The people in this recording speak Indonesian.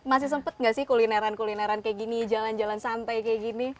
masih sempat nggak sih kulineran kulineran kayak gini jalan jalan santai kayak gini